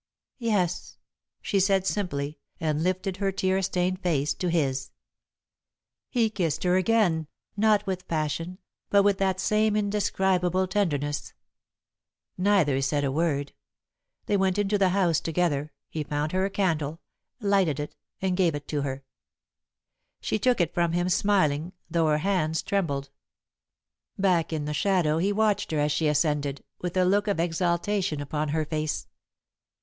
"Yes," she said, simply, and lifted her tear stained face to his. He kissed her again, not with passion, but with that same indescribable tenderness. Neither said a word. They went into the house together, he found her candle, lighted it, and gave it to her. She took it from him, smiling, though her hands trembled. Back in the shadow he watched her as she ascended, with a look of exaltation upon her face.